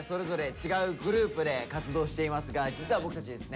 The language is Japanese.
違うグループで活動していますが実は僕たちですね